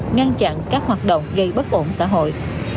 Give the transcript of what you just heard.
ngăn chặn các hoạt động gây bất ổn xã hội